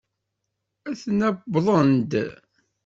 Aten-a wwḍen-d!